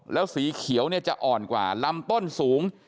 แล้วสีเขียวจะอ่อนกว่าลำต้นสูง